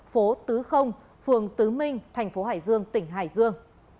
phố tứ không phường tứ minh thành phố hải dương tỉnh hải dương